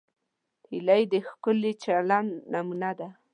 هیلۍ د ښکلي چلند نمونه ده